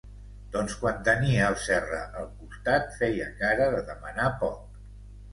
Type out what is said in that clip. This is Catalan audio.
Doncs quan tenia el Serra al costat feia cara de demanar poc.